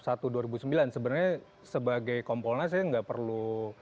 sebenarnya sebagai komponlas ya tidak perlu